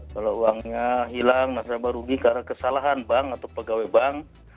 kalau uangnya hilang nasabah rugi karena kesalahan bank atau pegawai bank